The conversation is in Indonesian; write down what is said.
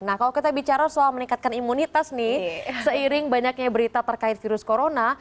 nah kalau kita bicara soal meningkatkan imunitas nih seiring banyaknya berita terkait virus corona